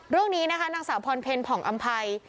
เรื่องนี้นะคะนางสาวพรเพลผ่องอำภัย